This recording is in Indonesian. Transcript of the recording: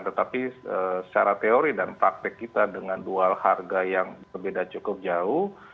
tetapi secara teori dan praktek kita dengan dua harga yang berbeda cukup jauh